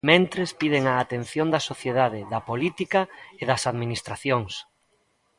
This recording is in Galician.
Mentres, piden a atención da sociedade, da política e das administracións.